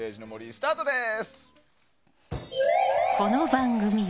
スターです。